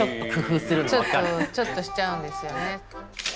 ちょっとしちゃうんですよね。